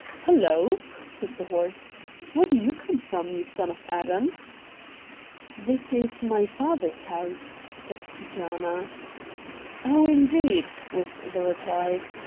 "Hullo!" said the horse; "where do you come from, you son of Adam?" "This is my father's house," said Keejaanaa. "Oh, indeed!" was the reply.